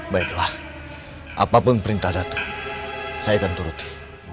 baiklah apapun perintah datang saya akan turuti